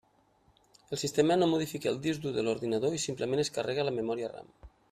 El sistema no modifica al disc dur de l'ordinador i simplement es carrega a la memòria RAM.